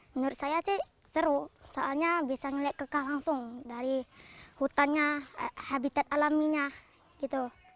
menurut saya sih seru soalnya bisa melihat keka langsung dari hutannya habitat alaminya gitu